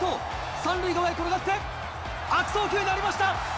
３塁側へ転がって、悪送球になりました。